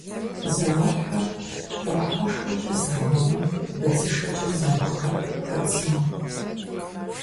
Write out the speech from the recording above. Зауэлӏхэр кӏэрахъуэшэкӏэ зауэмэ, быдзышэкӏэ зауэхэр хэт сымэ?